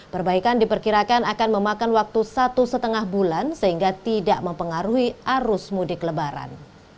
perbaikan diperkirakan akan memakan waktu satu lima bulan sehingga tidak mempengaruhi arus mudik lebaran